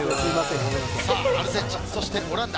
アルゼンチン、そしてオランダ。